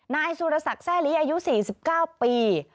นายสุรสักแซ่ลีอายุ๔๙ปี